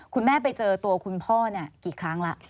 คุณแม่ไปเจอตัวคุณพ่อนี้กี่ครั้งละ